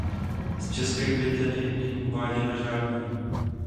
Z české květeny není uváděna žádná.